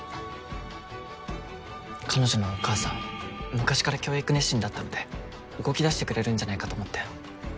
彼女のお母さん昔から教育熱心だったので動き出してくれるんじゃないかと思って。